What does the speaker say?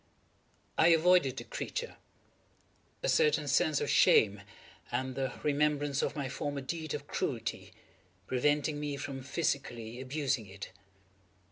I avoided the creature; a certain sense of shame, and the remembrance of my former deed of cruelty, preventing me from physically abusing it.